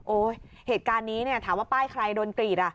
โอ้ยเหตุการณ์นี้ถามว่าป้ายใครโดนกรีด